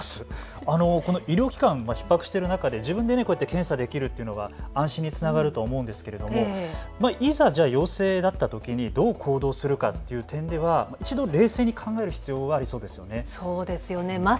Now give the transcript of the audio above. この医療機関、ひっ迫している中で自分で検査できるのは安心につながると思うんですけれども、いざ、陽性だった場合どう行動するかという点では一度冷静に考える必要がありそうですね。